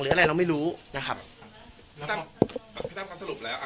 หรืออะไรเราไม่รู้นะครับพี่ตั้มพี่ตั้มเขาสรุปแล้วอ่ะ